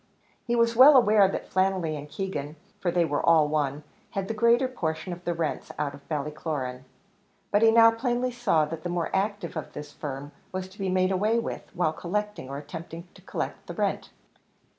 He was well aware that Flannelly and Keegan, for they were all one, had the greater portion of the rents out of Ballycloran, and he now plainly saw that the more active of this firm was to be made away with, while collecting, or attempting to collect, the rent.